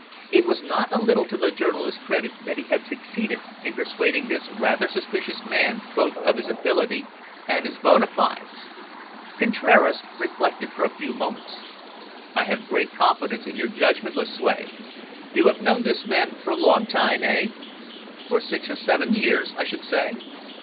It was not a little to the journalist's credit that he had succeeded in persuading this rather suspicious man both of his ability and his bona fides. Contraras reflected for a few moments. "I have great confidence in your judgment, Lucue. You have known this man for a long time, eh?" "For six or seven years, I should say."